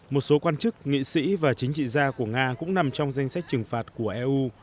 một số quan chức nghị sĩ và chính trị gia của nga cũng nằm trong danh sách trừng phạt của eu